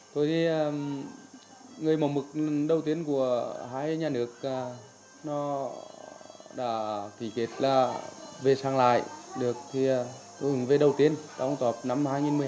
tôi thì người mong mực đầu tiên của hai nhà nước nó đã kỷ kết là về sang lại được thì tôi cũng về đầu tiên trong tập năm hai nghìn một mươi hai